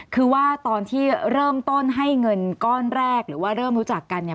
คือว่าตอนที่เริ่มต้นให้เงินก้อนแรกหรือว่าเริ่มรู้จักกันเนี่ย